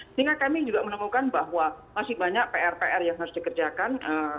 sehingga kami juga menemukan bahwa masih banyak pr pr yang harus dikerjakan